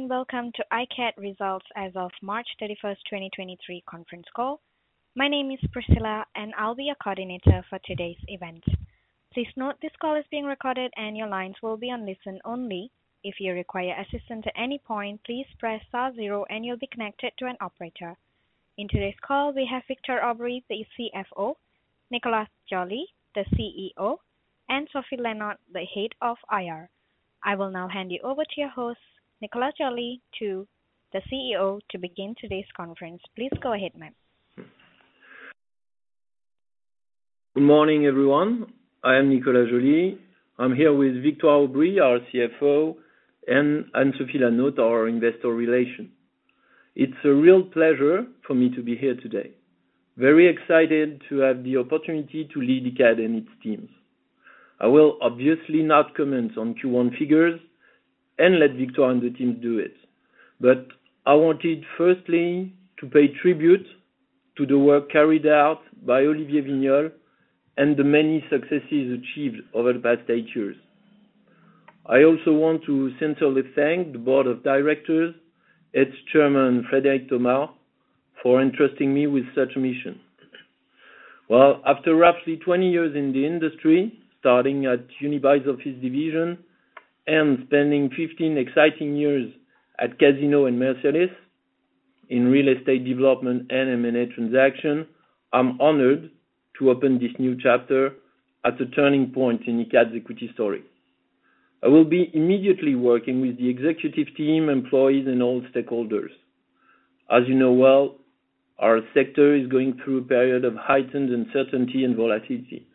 Hello, welcome to Icade results as of March 31st, 2023 conference call. My name is Priscilla, I'll be your coordinator for today's event. Please note this call is being recorded, your lines will be on listen only. If you require assistance at any point, please press star zero, you'll be connected to an operator. In today's call, we have Victoire Aubry, the CFO, Nicolas Joly, the CEO, and Anne-Sophie Lanaute, the head of IR. I will now hand you over to your host, Nicolas Joly, the CEO, to begin today's conference. Please go ahead, ma'am. Good morning, everyone. I am Nicolas Joly. I'm here with Victoire Aubry, our CFO, and Anne-Sophie Lanaute, our Investor Relation. It's a real pleasure for me to be here today. Very excited to have the opportunity to lead Icade and its teams. I wanted firstly to pay tribute to the work carried out by Olivier Wigniolle and the many successes achieved over the past eight years. I also want to sincerely thank the Board of Directors, its Chairman, Frédéric Thomas, for entrusting me with such mission. After roughly 20 years in the industry, starting at Unibail office division and spending 15 exciting years at Casino and Mercialys in real estate development and M&A transaction, I'm honored to open this new chapter at a turning point in Icade's equity story. I will be immediately working with the executive team, employees, and all stakeholders. As you know well, our sector is going through a period of heightened uncertainty and volatility.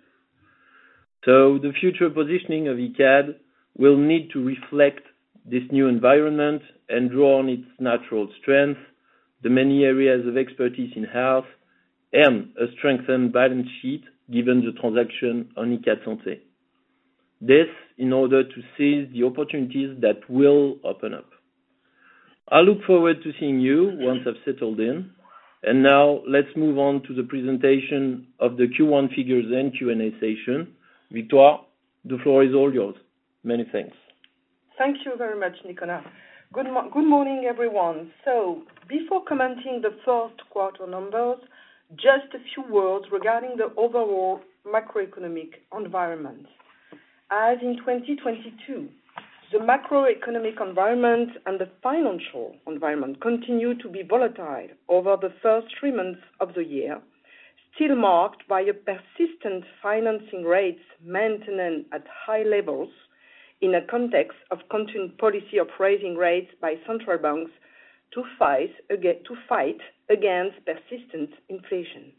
The future positioning of Icade will need to reflect this new environment and draw on its natural strength, the many areas of expertise in health, and a strengthened balance sheet given the transaction on Icade Santé. This, in order to seize the opportunities that will open up. I look forward to seeing you once I've settled in. Now let's move on to the presentation of the Q1 figures and Q&A session. Victoire, the floor is all yours. Many thanks. Thank you very much, Nicolas. Good morning, everyone. Before commenting the 1st quarter numbers, just a few words regarding the overall macroeconomic environment. As in 2022, the macroeconomic environment and the financial environment continued to be volatile over the three months of the year, still marked by a persistent financing rates maintenance at high levels in a context of continued policy of raising rates by central banks to fight against persistent inflation.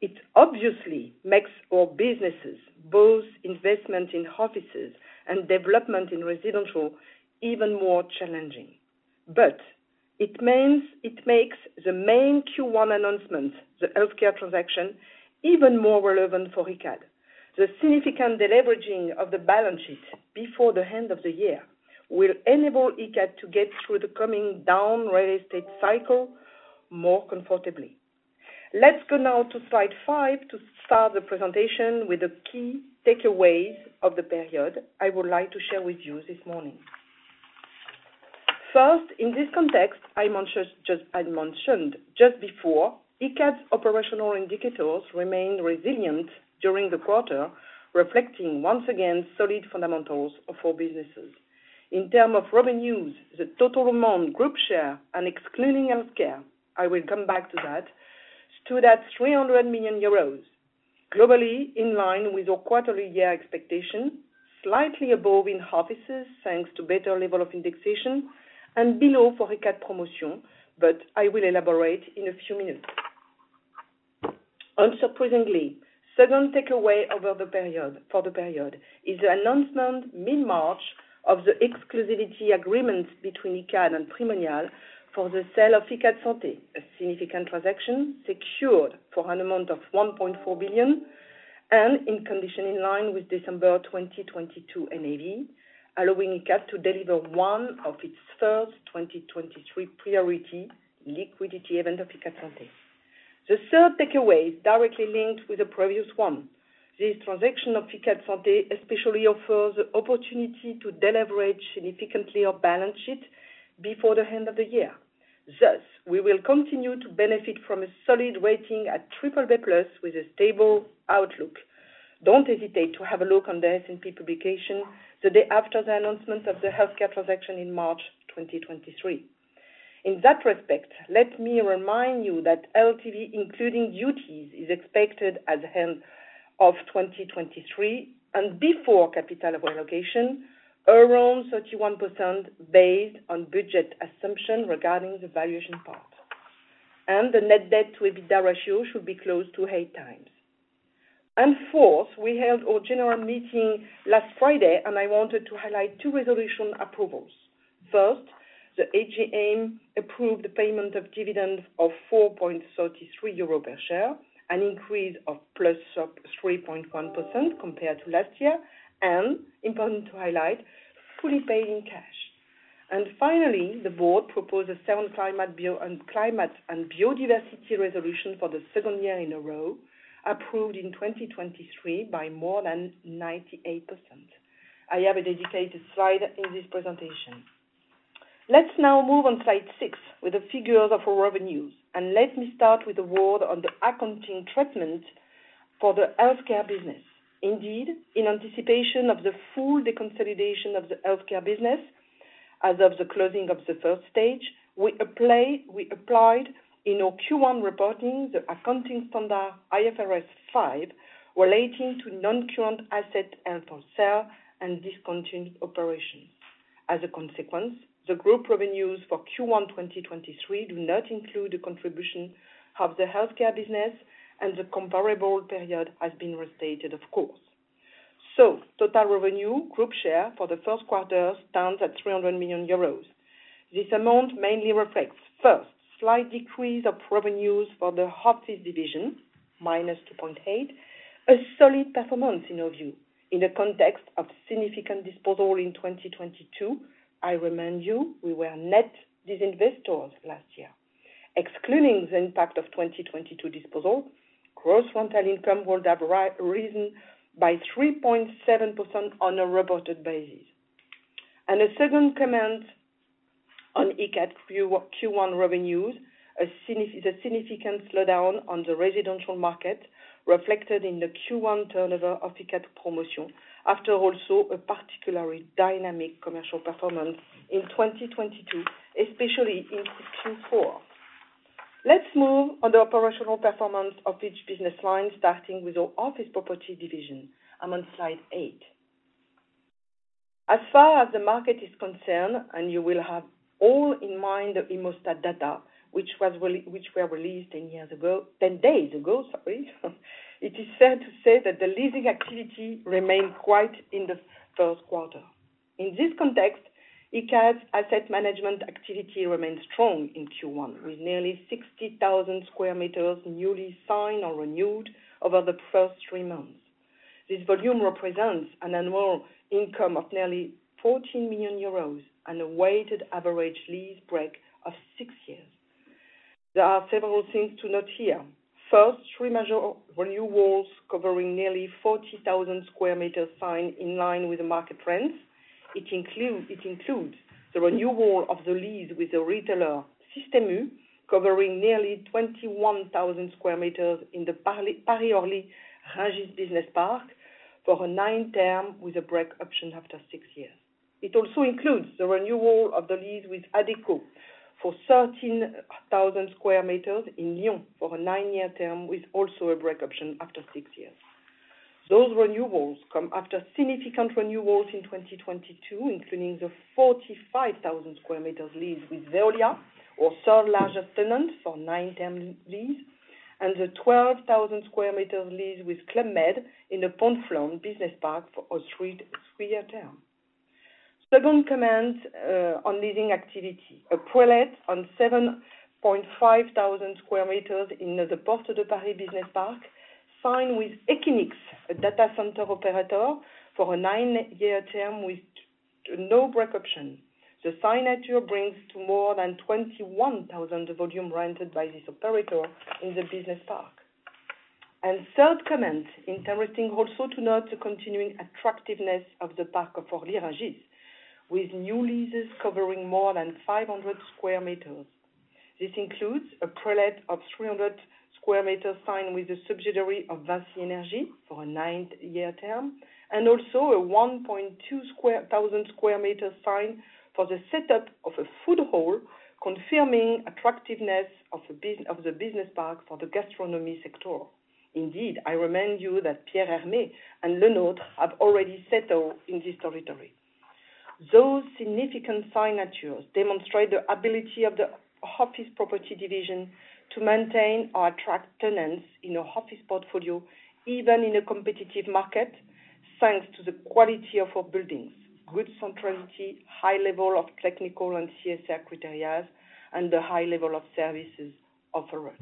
It obviously makes our businesses, both investment in offices and development in residential, even more challenging. It means it makes the main Q1 announcement, the healthcare transaction, even more relevant for Icade. The significant deleveraging of the balance sheet before the end of the year will enable Icade to get through the coming down real estate cycle more comfortably. Let's go now to slide five to start the presentation with the key takeaways of the period I would like to share with you this morning. First, in this context, I mentioned just before, Icade's operational indicators remained resilient during the quarter, reflecting, once again, solid fundamentals of our businesses. In term of revenues, the total amount group share and excluding healthcare, I will come back to that, stood at 300 million euros, globally in line with our quarterly year expectation, slightly above in offices, thanks to better level of indexation, and below for Icade Promotion, but I will elaborate in a few minutes. Unsurprisingly, second takeaway for the period is the announcement mid-March of the exclusivity agreement between Icade and Primonial for the sale of Icade Santé, a significant transaction secured for an amount of 1.4 billion and in condition in line with December 2022 NAV, allowing Icade to deliver one of its first 2023 priority liquidity event of Icade Santé. The third takeaway is directly linked with the previous one. This transaction of Icade Santé especially offers the opportunity to deleverage significantly our balance sheet before the end of the year. We will continue to benefit from a solid rating at BBB+ with a stable outlook. Don't hesitate to have a look on the S&P publication the day after the announcement of the healthcare transaction in March 2023. In that respect, let me remind you that LTV, including duties, is expected at the end of 2023 and before capital allocation, around 31% based on budget assumption regarding the valuation part. The net debt to EBITDA ratio should be close to eight times. Fourth, we held our general meeting last Friday, and I wanted to highlight two resolution approvals. First, the AGM approved the payment of dividends of 4.33 euros per share, an increase of plus 3.1% compared to last year, and important to highlight, fully paid in cash. Finally, the board proposed a second climate on climate and biodiversity resolution for the second year in a row, approved in 2023 by more than 98%. I have a dedicated slide in this presentation. Let's now move on slide six with the figures of our revenues, and let me start with a word on the accounting treatment for the healthcare business. Indeed, in anticipation of the full deconsolidation of the healthcare business as of the closing of the first stage, we applied in our Q1 reporting the accounting standard IFRS 5 relating to non-current assets held for sale and discontinued operations. As a consequence, the group revenues for Q1 2023 do not include the contribution of the healthcare business, and the comparable period has been restated, of course. Total revenue group share for the first quarter stands at 300 million euros. This amount mainly reflects first, slight decrease of revenues for the office division, -2.8, a solid performance in our view, in the context of significant disposal in 2022. I remind you we were net disinvestors last year. Excluding the impact of 2022 disposal, gross rental income would have risen by 3.7% on a reported basis. A second comment on Icade Q1 revenues, the significant slowdown on the residential market reflected in the Q1 turnover of Icade Promotion, after also a particularly dynamic commercial performance in 2022, especially in Q4. Let's move on the operational performance of each business line, starting with our office property division. I'm on slide eight. As far as the market is concerned, you will have all in mind the ImmoStat data which were released 10 days ago, sorry, it is fair to say that the leasing activity remained quite in the first quarter. In this context, Icade's asset management activity remained strong in Q1, with nearly 60,000 sqm newly signed or renewed over the three months. This volume represents an annual income of nearly 14 million euros and a weighted average lease break of six years. There are several things to note here. First, three major renewals covering nearly 40,000 sqm signed in line with the market trends. It includes the renewal of the lease with the retailer Système U, covering nearly 21,000 sqm in the Paris Orly-Rungis Business Park for a nine-term with a break option after six years. It also includes the renewal of the lease with Adecco for 13,000 sqm in Lyon for a nine-year term, with also a break option after six years. Those renewals come after significant renewals in 2022, including the 45,000 sqm leased with Veolia, our third largest tenant, for nine-term lease, and the 12,000 sqm leased with Clemme in the Pont Flon Business Park for a three-year term. Second comment on leasing activity. A prelet on 7,500 sqm in the Portes de Paris Business Park signed with Equinix, a data center operator, for a nine-year term with no break option. The signature brings to more than 21,000 the volume rented by this operator in the business park. Third comment, interesting also to note the continuing attractiveness of the Parc Paris Orly-Rungis with new leases covering more than 500 sqm. This includes a prelet of 300 sqm signed with a subsidiary of VINCI Energies for a nine-year term, and also a 1,200 sqm signed for the setup of a food hall, confirming attractiveness of the business park for the gastronomy sector. I remind you that Pierre Hermé and Lenôtre have already settled in this territory. Those significant signatures demonstrate the ability of the office property division to maintain or attract tenants in our office portfolio, even in a competitive market, thanks to the quality of our buildings, good centrality, high level of technical and CSR criterias, and the high level of services offered.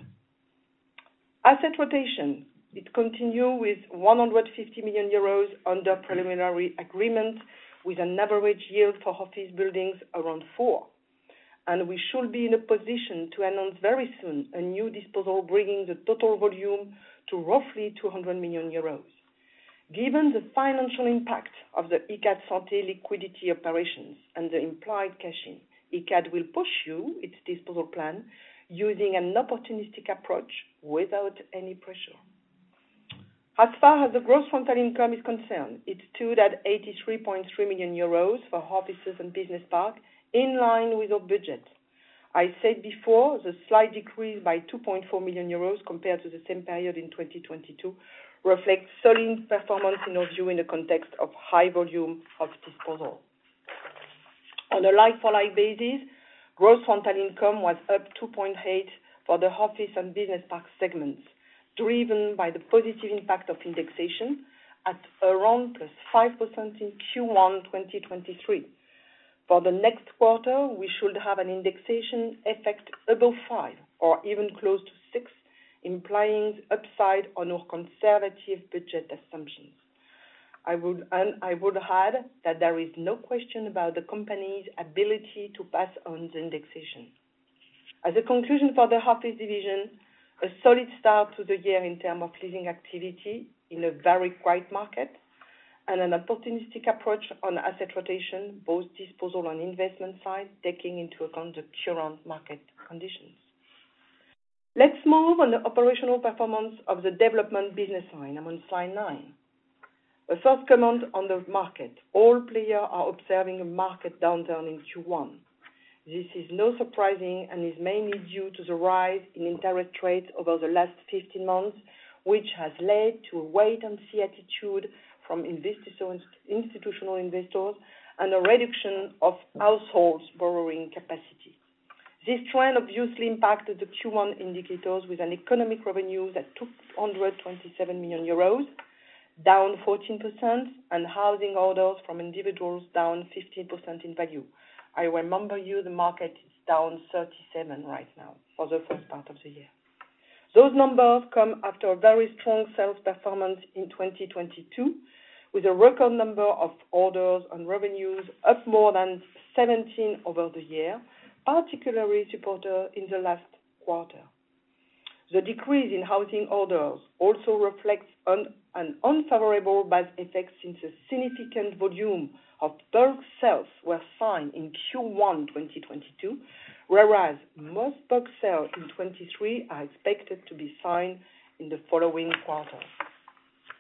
Asset rotation, it continue with 150 million euros under preliminary agreement with an average yield for office buildings around four. We should be in a position to announce very soon a new disposal, bringing the total volume to roughly 200 million euros. Given the financial impact of the Icade Santé liquidity operations and the implied cash-in, Icade will pursue its disposal plan using an opportunistic approach without any pressure. The gross rental income is concerned, it stood at 83.3 million euros for offices and business parks, in line with our budget. I said before, the slight decrease by 2.4 million euros compared to the same period in 2022 reflects solid performance in our view in the context of high volume of disposal. On a like-for-like basis, gross rental income was up 2.8 for the office and business park segments, driven by the positive impact of indexation at around +5% in Q1 2023. For the next quarter, we should have an indexation effect above 5% or even close to 6%, implying upside on our conservative budget assumptions. I would add that there is no question about the company's ability to pass on the indexation. As a conclusion for the half-day division, a solid start to the year in term of leasing activity in a very quiet market, and an opportunistic approach on asset rotation, both disposal and investment side, taking into account the current market conditions. Let's move on the operational performance of the development business line. I'm on slide nine. A first comment on the market. All player are observing a market downturn in Q1. This is not surprising and is mainly due to the rise in interest rates over the last 15 months, which has led to a wait and see attitude from institutional investors and a reduction of households borrowing capacity. This trend obviously impacted the Q1 indicators with an economic revenue that took 127 million euros, down 14%, and housing orders from individuals down 15% in value. I remember you, the market is down 37% right now for the first part of the year. Those numbers come after a very strong sales performance in 2022, with a record number of orders and revenues up more than 17% over the year, particularly supported in the last quarter. The decrease in housing orders also reflects an unfavorable base effect since a significant volume of bulk sales were signed in Q1 2022, whereas most bulk sales in 2023 are expected to be signed in the following quarters.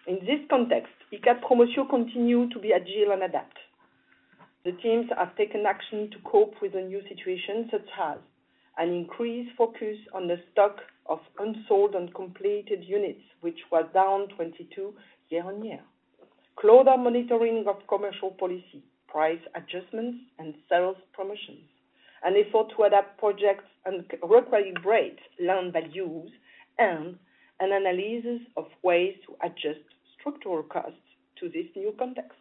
In this context, Icade Promotion continue to be agile and adapt. The teams have taken action to cope with the new situation, such as an increased focus on the stock of unsold and completed units, which was down 22 year-on-year. Closer monitoring of commercial policy, price adjustments and sales promotions. An effort to adapt projects and recalibrate land values and an analysis of ways to adjust structural costs to this new context.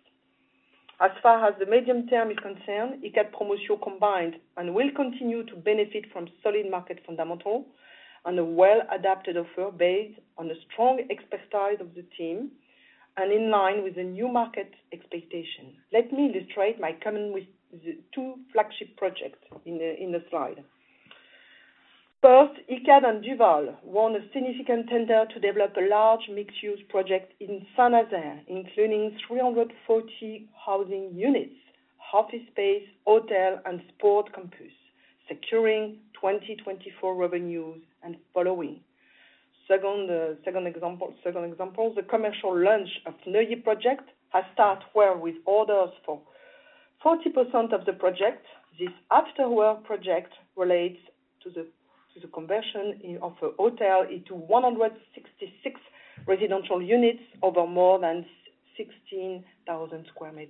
As far as the medium term is concerned, Icade Promotion combined and will continue to benefit from solid market fundamental and a well-adapted offer based on the strong expertise of the team and in line with the new market expectation. Let me illustrate my comment with the two flagship projects in the slide. First, Icade and Duval won a significant tender to develop a large mixed-use project in Saint-Nazaire, including 340 housing units, office space, hotel and sport campus, securing 2024 revenues and following. Second, second example, the commercial launch of Neugy project has start well with orders for 40% of the project. This after work project relates to the conversion of a hotel into 166 residential units over more than 16,000 sqm.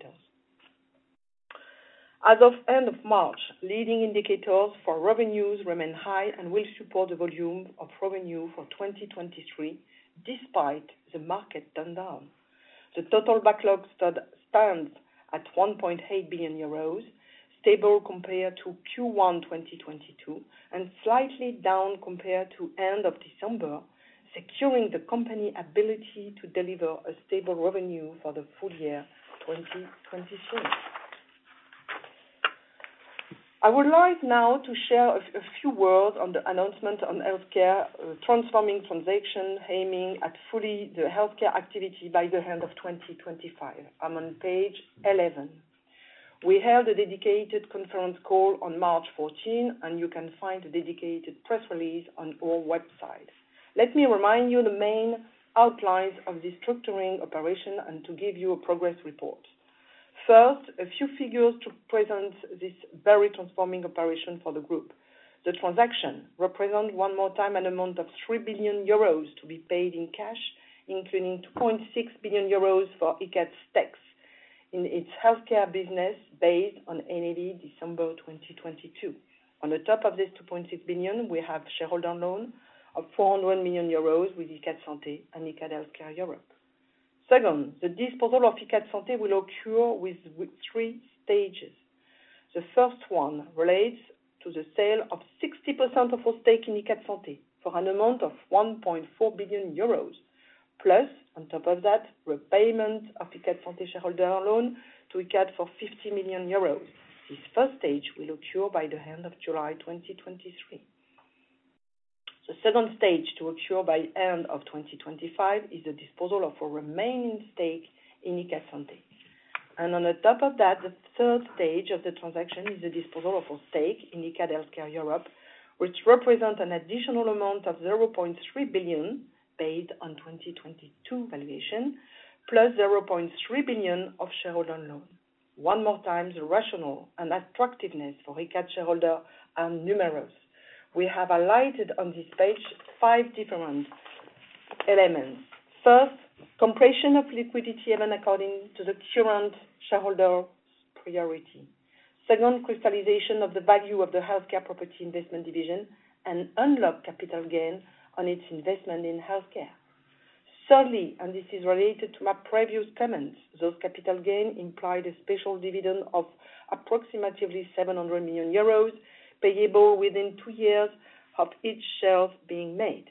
As of end of March, leading indicators for revenues remain high and will support the volume of revenue for 2023, despite the market downturn. The total backlog stands at 1.8 billion euros, stable compared to Q1 2022, and slightly down compared to end of December, securing the company ability to deliver a stable revenue for the full-year 2023. I would like now to share a few words on the announcement on healthcare, transforming transaction, aiming at fully the healthcare activity by the end of 2025. I'm on page 11. We held a dedicated conference call on March 14th, and you can find a dedicated press release on our website. Let me remind you the main outlines of this structuring operation and to give you a progress report. First, a few figures to present this very transforming operation for the group. The transaction represent one more time an amount of 3 billion euros to be paid in cash, including 2.6 billion euros for Icade's stakes in its healthcare business based on NAV December 2022. On the top of this 2.6 billion, we have shareholder loan of 400 million euros with Icade Santé and Icade Healthcare Europe. The disposal of Icade Santé will occur with three stages. The first one relates to the sale of 60% of our stake in Icade Santé for an amount of 1.4 billion euros. On top of that, repayment of Icade Santé shareholder loan to Icade for 50 million euros. This first stage will occur by the end of July 2023. The second stage to occur by end of 2025 is the disposal of our remaining stake in Icade Santé. On the top of that, the third stage of the transaction is the disposal of our stake in Icade Healthcare Europe, which represent an additional amount of 0.3 billion paid on 2022 valuation, plus 0.3 billion of shareholder loan. One more time, the rational and attractiveness for Icade shareholder are numerous. We have highlighted on this page five different elements. First, compression of liquidity and according to the current shareholder's priority. Second, crystallization of the value of the healthcare property investment division and unlock capital gains on its investment in healthcare. Thirdly, and this is related to my previous comments, those capital gains imply the special dividend of approximately 700 million euros, payable within two years of each sale being made.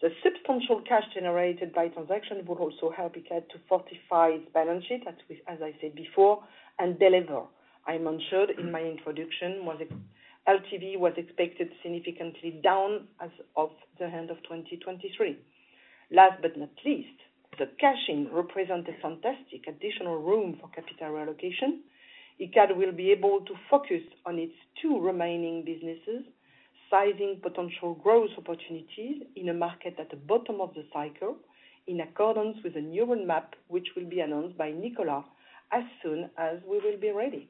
The substantial cash generated by transaction will also help Icade to fortify its balance sheet, as I said before, and deliver. I mentioned in my introduction was ex- LTV was expected significantly down as of the end of 2023. Last but not least, the cashing represent a fantastic additional room for capital allocation. Icade will be able to focus on its two remaining businesses, sizing potential growth opportunities in a market at the bottom of the cycle, in accordance with the new roadmap, which will be announced by Nicolas as soon as we will be ready.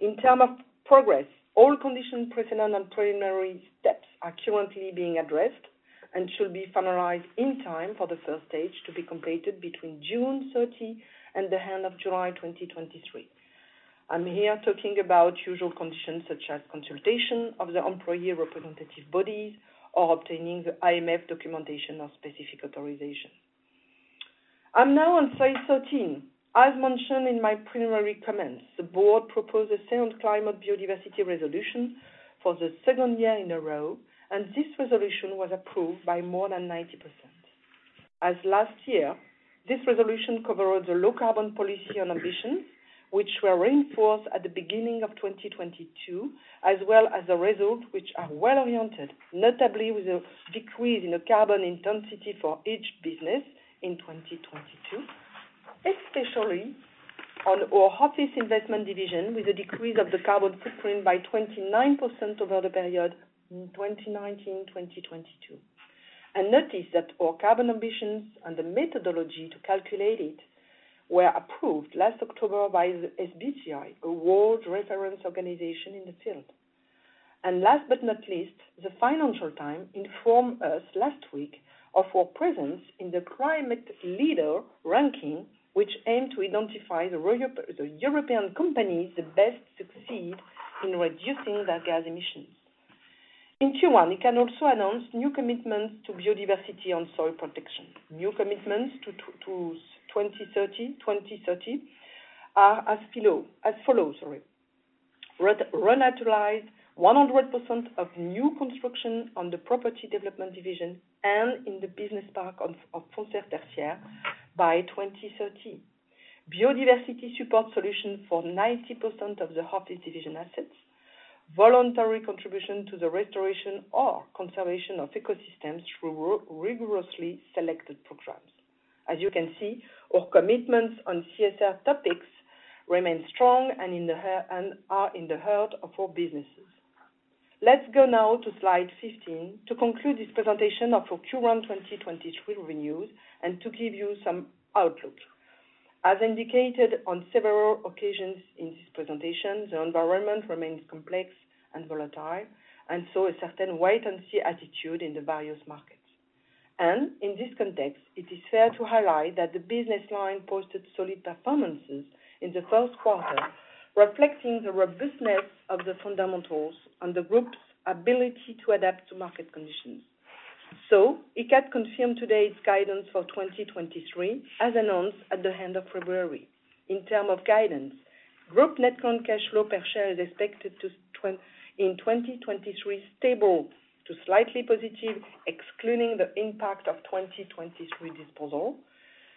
In term of progress, all condition precedent and preliminary steps are currently being addressed and should be finalized in time for the first stage to be completed between June 30 and the end of July 2023. I'm here talking about usual conditions such as consultation of the employee representative bodies or obtaining the IMF documentation of specific authorization. I'm now on slide 13. As mentioned in my preliminary comments, the board proposed a sound climate biodiversity resolution for the second year in a row, and this resolution was approved by more than 90%. As last year, this resolution covers the low carbon policy and ambition, which were reinforced at the beginning of 2022, as well as the results which are well-oriented, notably with a decrease in the carbon intensity for each business in 2022, especially on our office investment division, with a decrease of the carbon footprint by 29% over the period 2019-2022. Notice that our carbon ambitions and the methodology to calculate it were approved last October by the SBTi, a world reference organization in the field. Last but not least, the Financial Times informed us last week of our presence in the climate leader ranking, which aim to identify the European companies that best succeed in reducing their gas emissions. In Q1, Icade also announced new commitments to biodiversity and soil protection. New commitments to 2030 are as follows, sorry. Renaturalize 100% of new construction on the property development division and in the business park of Foncière Tertiaire by 2030. Biodiversity support solution for 90% of the office division assets. Voluntary contribution to the restoration or conservation of ecosystems through rigorously selected programs. As you can see, our commitments on CSR topics remain strong and are in the heart of our businesses. Let's go now to slide 15 to conclude this presentation of our Q1 2023 reviews and to give you some outlook. As indicated on several occasions in this presentation, the environment remains complex and volatile, and so a certain wait and see attitude in the various markets. In this context, it is fair to highlight that the business line posted solid performances in the first quarter, reflecting the robustness of the fundamentals and the group's ability to adapt to market conditions. Icade confirmed today's guidance for 2023, as announced at the end of February. In terms of guidance, group net current cash flow per share is expected in 2023 stable to slightly positive, excluding the impact of 2023 disposal.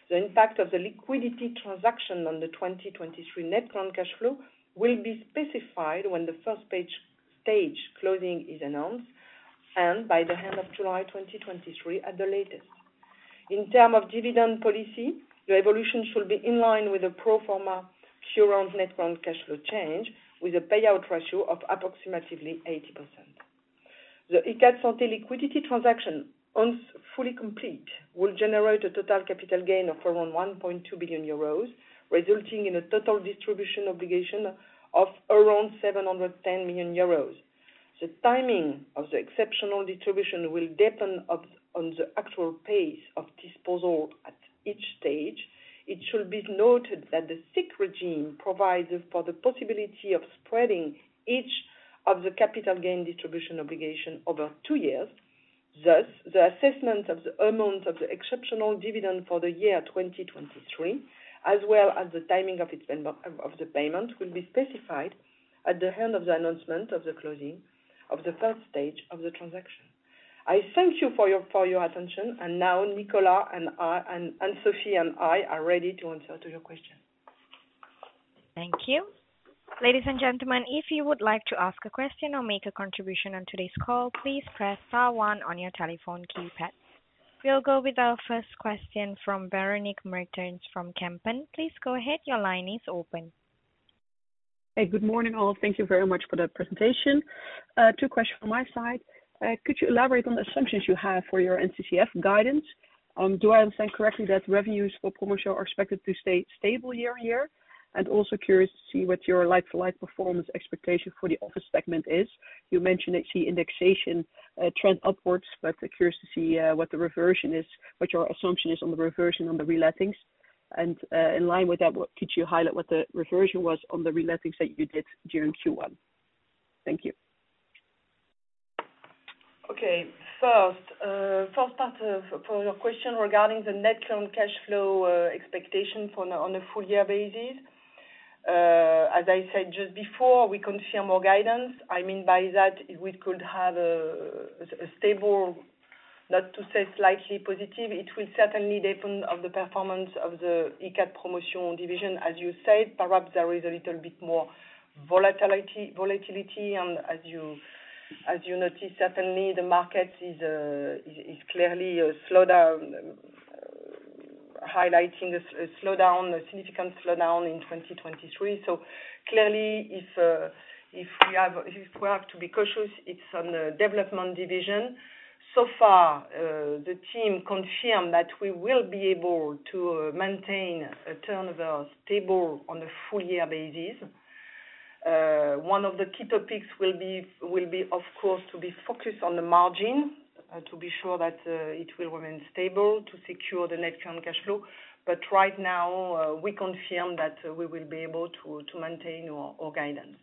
The impact of the liquidity transaction on the 2023 net current cash flow will be specified when the first page, stage closing is announced and by the end of July 2023 at the latest. In term of dividend policy, the evolution should be in line with the pro forma Q1 net current cash flow change, with a payout ratio of approximately 80%. The Icade Santé liquidity transaction, once fully complete, will generate a total capital gain of around 1.2 billion euros, resulting in a total distribution obligation of around 710 million euros. The timing of the exceptional distribution will depend on the actual pace of disposal at each stage. It should be noted that the SIIC regime provides for the possibility of spreading each of the capital gain distribution obligation over two years. Thus, the assessment of the amount of the exceptional dividend for the year 2023, as well as the timing of its of the payment, will be specified at the end of the announcement of the closing of the first stage of the transaction. I thank you for your attention. Now Nicolas and I, and Sophie and I are ready to answer to your questions. Thank you. Ladies and gentlemen, if you would like to ask a question or make a contribution on today's call, please press star one on your telephone keypad. We'll go with our first question from Véronique Meertens from Kempen. Please go ahead. Your line is open. Hey, good morning, all. Thank you very much for the presentation. Two questions from my side. Could you elaborate on the assumptions you have for your NCCF guidance? Do I understand correctly that revenues for commercial are expected to stay stable year-over-year? Also curious to see what your like-for-like performance expectation for the office segment is. You mentioned that the indexation, trend upwards, but curious to see, what the reversion is, what your assumption is on the reversion on the relettings. In line with that, could you highlight what the reversion was on the relettings that you did during Q1? Thank you. Okay. First, first part of your question regarding the net loan cash flow expectation on a full-year basis. As I said just before, we confirm our guidance. I mean by that, we could have a stable, not to say slightly positive. It will certainly depend on the performance of the Icade Promotion division. As you said, perhaps there is a little bit more volatility. As you notice, certainly the market is clearly a slowdown, highlighting the slowdown, a significant slowdown in 2023. Clearly, if we have to be cautious, it's on the development division. So far, the team confirmed that we will be able to maintain a turnover stable on a full-year basis. One of the key topics will be, of course, to be focused on the margin, to be sure that it will remain stable, to secure the net current cash flow. Right now, we confirm that we will be able to maintain our guidance.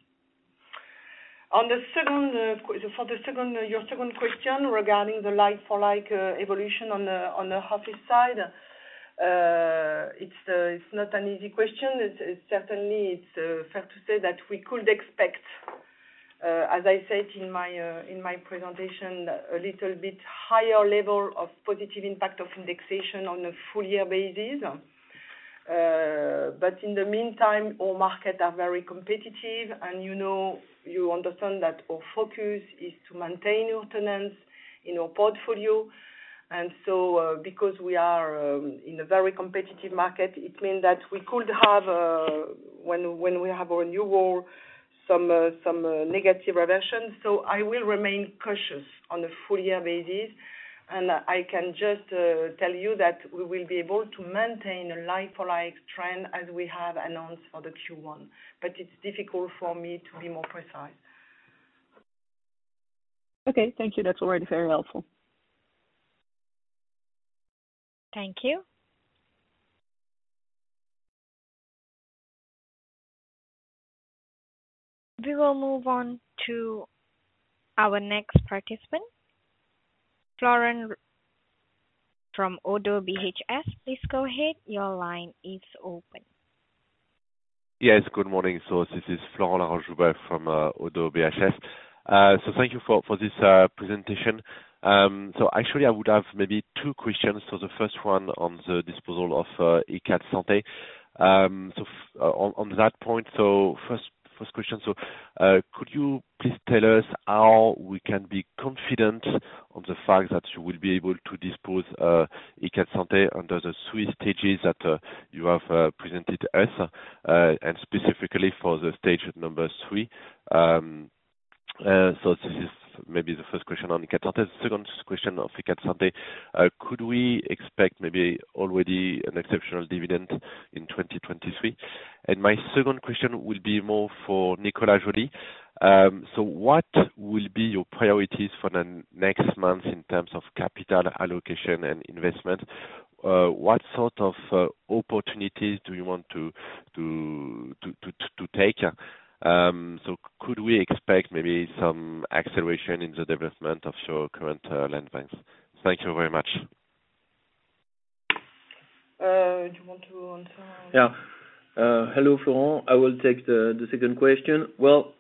On the second, your second question regarding the like-for-like evolution on the office side. It's not an easy question. It's certainly fair to say that we could expect, as I said in my presentation, a little bit higher level of positive impact of indexation on a full-year basis. In the meantime, all markets are very competitive. You know, you understand that our focus is to maintain our tenants in our portfolio. Because we are in a very competitive market, it means that we could have when we have our new role, some negative reversion. I will remain cautious on a full-year basis. I can just tell you that we will be able to maintain a like-for-like trend as we have announced for the Q1. It's difficult for me to be more precise. Okay. Thank you. That's already very helpful. Thank you. We will move on to our next participant. Florent from Oddo BHF, please go ahead. Your line is open. Yes, good morning. This is Florent Laroche-Joubert from Oddo BHF. Thank you for this presentation. Actually I would have maybe two questions. The first one on the disposal of Icade Santé. On that point, first question, could you please tell us how we can be confident of the fact that you will be able to dispose Icade Santé under the three stages that you have presented us, and specifically for the stage number three? This is maybe the first question on Icade Santé. Second question of Icade Santé, could we expect maybe already an exceptional dividend in 2023? My second question would be more for Nicolas Joly. What will be your priorities for the next month in terms of capital allocation and investment? What sort of opportunities do you want to take? Could we expect maybe some acceleration in the development of your current land banks? Thank you very much. Do you want to answer? Yeah. Hello, Florent. I will take the second question. Well,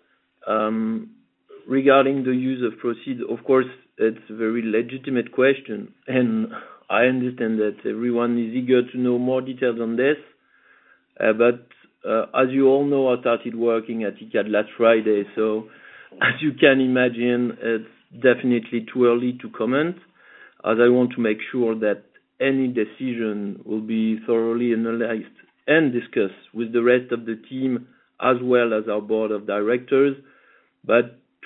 regarding the use of proceeds, of course, it's a very legitimate question, and I understand that everyone is eager to know more details on this. As you all know, I started working at Icade last Friday. As you can imagine, it's definitely too early to comment, as I want to make sure that any decision will be thoroughly analyzed and discussed with the rest of the team as well as our board of directors.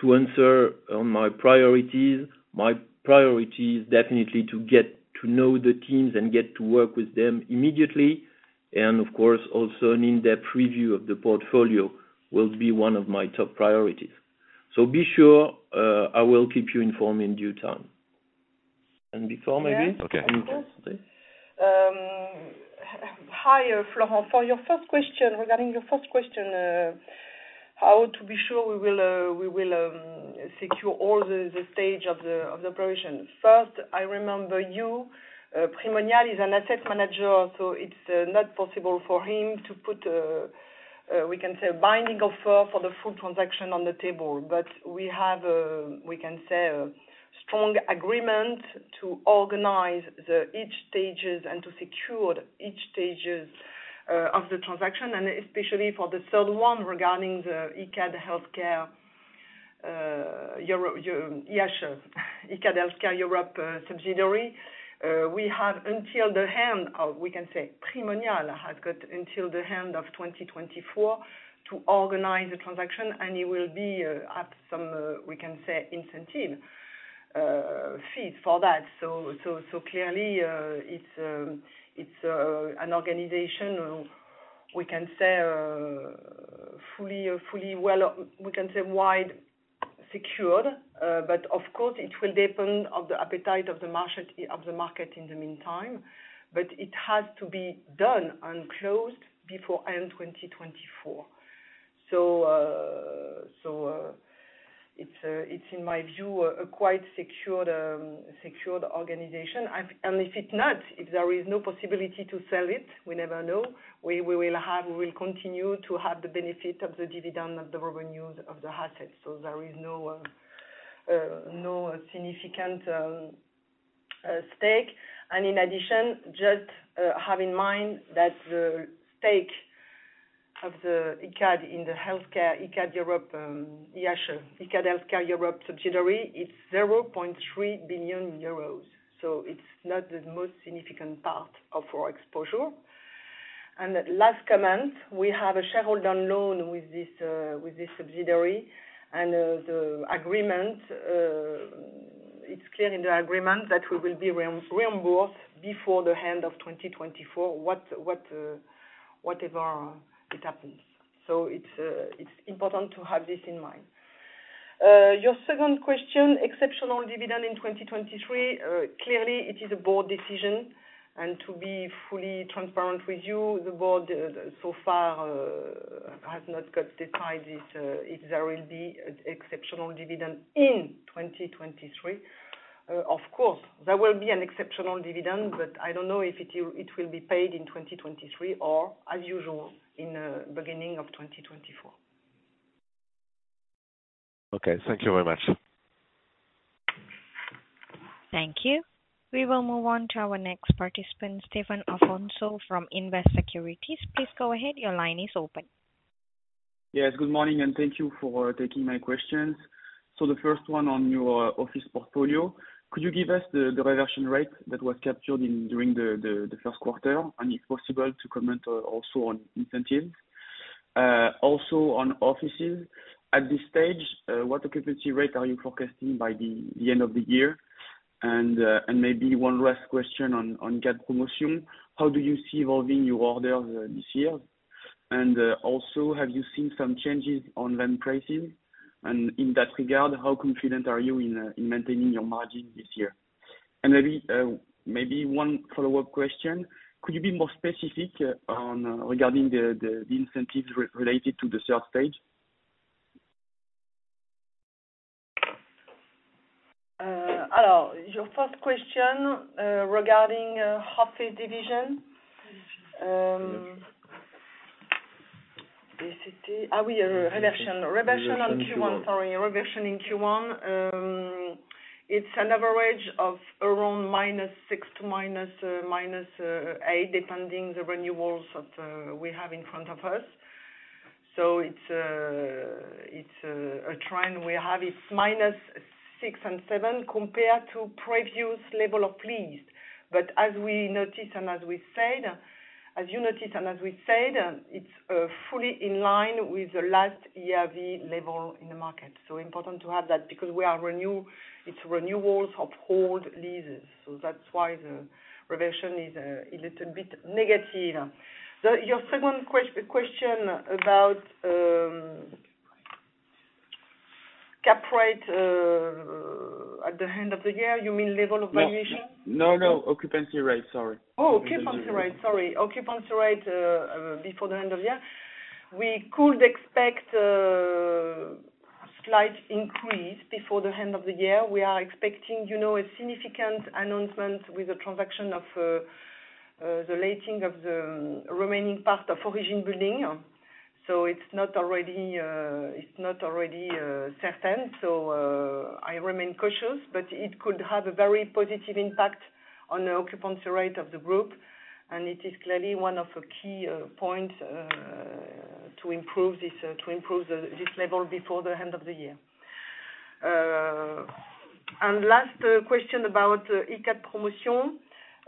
To answer on my priorities, my priority is definitely to get to know the teams and get to work with them immediately. Of course, also an in-depth review of the portfolio will be one of my top priorities. Be sure, I will keep you informed in due time. Okay. Hi Florent. For your first question, regarding your first question, how to be sure we will secure all the stage of the operation. First, I remember you, Primonial is an asset manager, so it's not possible for him to put, we can say a binding offer for the full transaction on the table. We have, we can say a strong agreement to organize the each stages and to secure each stages of the transaction, and especially for the third one regarding the Icade Healthcare Europe subsidiary. We have until the end of, we can say Primonial has got until the end of 2024 to organize the transaction, and it will be at some, we can say incentive fees for that. So clearly, it's an organization, we can say, fully well, we can say, wide secured. Of course it will depend on the appetite of the market in the meantime. It has to be done and closed before end 2024. It's in my view, a quite secured organization. If it not, if there is no possibility to sell it, we never know, we will have, we'll continue to have the benefit of the dividend of the revenues of the assets. There is no significant stake. In addition, just have in mind that the stake of Icade in the Icade Healthcare Europe, Icade Healthcare Europe subsidiary, it's 0.3 billion euros. It's not the most significant part of our exposure. Last comment, we have a shareholder loan with this subsidiary, and the agreement, it's clear in the agreement that we will be reimbursed before the end of 2024 whatever it happens. It's important to have this in mind. Your second question, exceptional dividend in 2023. Clearly, it is a board decision. To be fully transparent with you, the board so far has not got decided if there will be exceptional dividend in 2023. Of course, there will be an exceptional dividend, but I don't know if it will be paid in 2023 or as usual in beginning of 2024. Okay. Thank you very much. Thank you. We will move on to our next participant, Stéphane Afonso from Allinvest Securities. Please go ahead. Your line is open. Yes, good morning, thank you for taking my questions. The first one on your office portfolio, could you give us the reversion rate that was captured in, during the first quarter? If possible, to comment also on incentives? Also on offices, at this stage, what occupancy rate are you forecasting by the end of the year? Maybe one last question on Icade Promotion. How do you see evolving your orders this year? Also, have you seen some changes on land pricing? In that regard, how confident are you in maintaining your margin this year? Maybe one follow-up question, could you be more specific on regarding the incentives related to the third stage? Your first question regarding office division. Let's see. Yes, reversion. Reversion on Q1, sorry. Reversion in Q1, it's an average of around -6% to -8%, depending the renewals that we have in front of us. It's a trend we have. It's -6% and -7% compared to previous level of lease. As we noticed and as we said, as you noticed and as we said, it's fully in line with the last ERV level in the market. Important to have that because we are renew, it's renewals of old leases. That's why the reversion is a bit negative. Your second question about cap rate at the end of the year, you mean level of valuation? No. No, no. Occupancy rate, sorry. Oh, occupancy rate. Sorry. Occupancy rate before the end of the year. We could expect a slight increase before the end of the year. We are expecting, you know, a significant announcement with the transaction of the letting of the remaining part of Origine building. It's not already certain. I remain cautious, but it could have a very positive impact on the occupancy rate of the group. It is clearly one of the key points to improve this level before the end of the year. Last question about Icade Promotion.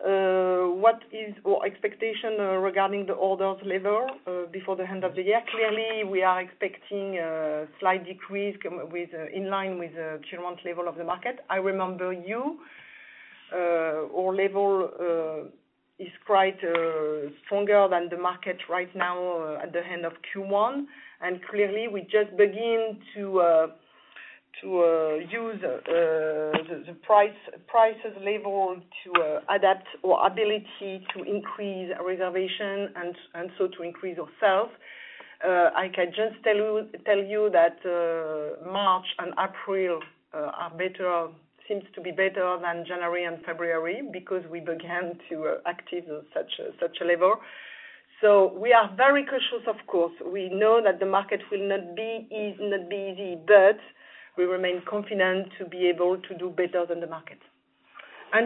What is our expectation regarding the orders level before the end of the year? Clearly, we are expecting a slight decrease with in line with the current level of the market. I remember you, our level is quite stronger than the market right now at the end of Q1. Clearly, we just begin to use the price, prices level to adapt our ability to increase reservation and so to increase our sales. I can just tell you that March and April are better, seems to be better than January and February because we began to active such a level. We are very cautious, of course. We know that the market will not be easy, but we remain confident to be able to do better than the market.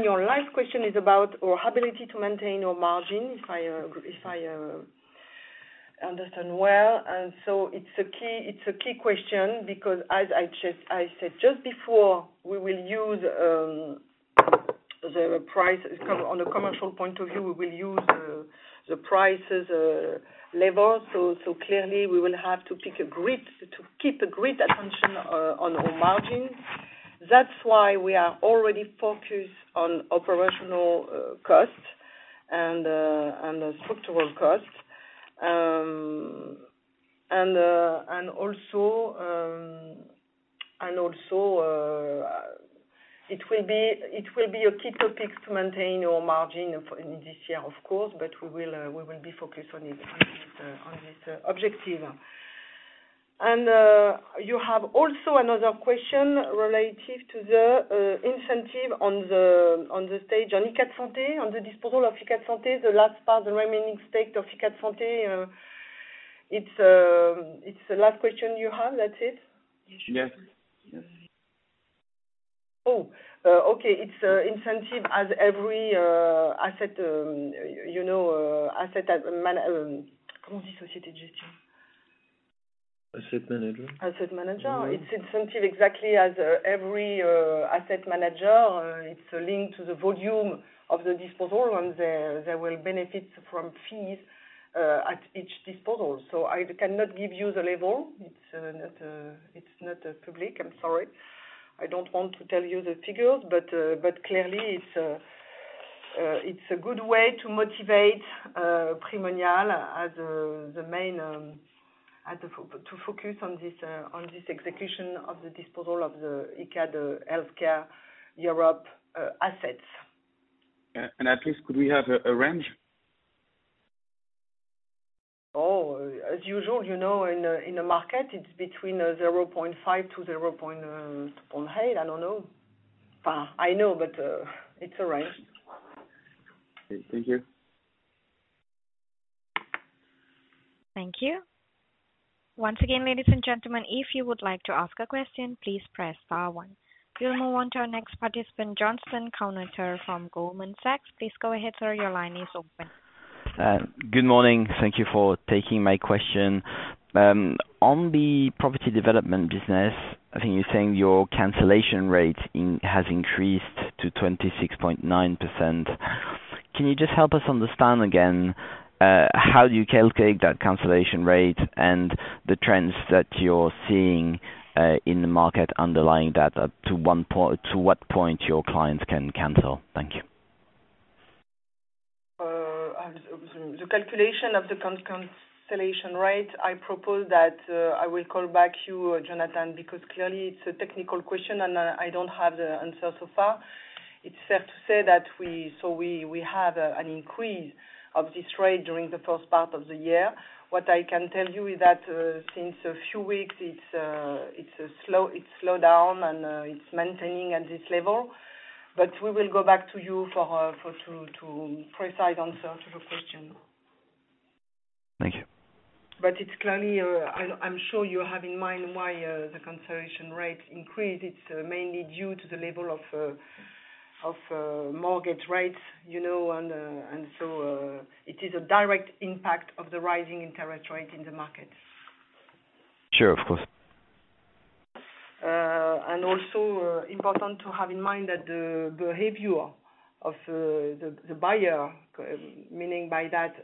Your last question is about our ability to maintain our margin, if I understand well. It's a key question because as I said just before, we will use the price on a, on a commercial point of view, we will use the prices level. Clearly, we will have to pick a grid, to keep a grid attention on our margins. That's why we are already focused on operational costs and structural costs. Also, it will be a key topic to maintain our margin for, in this year, of course, we will be focused on this objective. You have also another question related to the incentive on the stage, on Icade Santé, on the disposal of Icade Santé, the last part, the remaining stake of Icade Santé. It's the last question you have. That's it? Yes. Okay. It's incentive as every asset, you know, asset. Asset manager. Asset manager. It's incentive exactly as every asset manager. It's linked to the volume of the disposal, and they will benefit from fees at each disposal. I cannot give you the level. It's not, it's not public. I'm sorry. I don't want to tell you the figures, but clearly it's a good way to motivate Primonial as the main, To focus on this, on this execution of the disposal of the Icade Healthcare Europe assets. At least could we have a range? As usual, you know, in a market, it's between a 0.5%-0.2%. I don't know. I know, but it's all right. Thank you. Thank you. Once again, ladies and gentlemen, if you would like to ask a question, please press star one. We'll move on to our next participant, Jonathan Kownator from Goldman Sachs. Please go ahead, sir. Your line is open. Good morning. Thank you for taking my question. On the property development business, I think you're saying your cancellation rate has increased to 26.9%. Can you just help us understand again, how you calculate that cancellation rate and the trends that you're seeing in the market underlying that, up to what point your clients can cancel? Thank you. The calculation of the cancellation rate, I propose that I will call back you, Jonathan, because clearly it's a technical question, and I don't have the answer so far. It's fair to say that we have an increase of this rate during the first part of the year. What I can tell you is that since a few weeks, it's slowed down, and it's maintaining at this level. We will go back to you for for to precise answer to the question. Thank you. It's clearly, I'm sure you have in mind why the cancellation rate increased. It's mainly due to the level of mortgage rates, you know. It is a direct impact of the rising interest rate in the market. Sure. Of course. Also important to have in mind that the behavior of the buyer, meaning by that,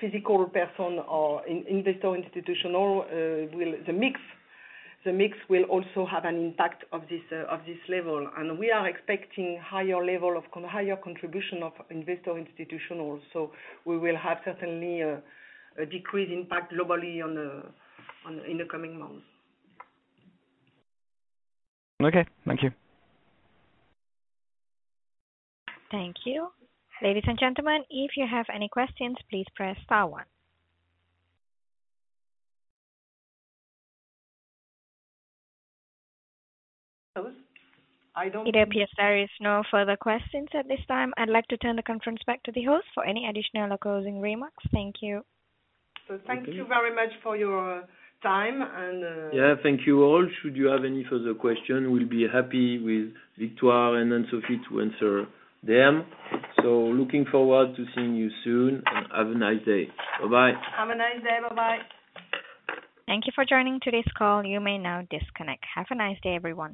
physical person or investor institutional. The mix will also have an impact of this, of this level. We are expecting higher contribution of investor institutionals. We will have certainly a decreased impact globally in the coming months. Okay. Thank you. Thank you. Ladies and gentlemen, if you have any questions, please press star one. I don't- It appears there is no further questions at this time. I'd like to turn the conference back to the host for any additional closing remarks. Thank you. Thank you very much for your time and. Yeah. Thank you all. Should you have any further question, we'll be happy with Victoire and Anne-Sophie to answer them. Looking forward to seeing you soon, and have a nice day. Bye-bye. Have a nice day. Bye-bye. Thank you for joining today's call. You may now disconnect. Have a nice day, everyone.